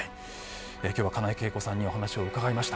今日は金井啓子さんにお話を伺いました。